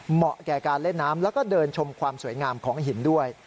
เหมาะแก่การเล่นน้ำแล้วก็เดินชมความสวยงามของหินด้วย